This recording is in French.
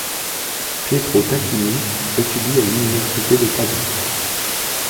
Pietro Tacchini étudie à l'université de Padoue.